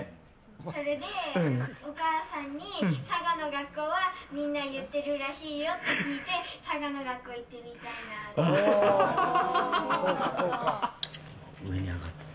それでお母さんに佐賀の学校ではみんな言ってるらしいよって聞いて佐賀の学校に行ってみたいなって。